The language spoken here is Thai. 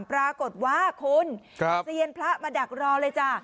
ปรากฏว่าคุณเซียนพระมาดักรอเลยจ้ะ